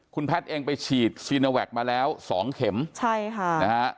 คุณแพทย์เองไปฉีดซีโนแวคมาแล้วสองเข็มใช่ค่ะนะฮะ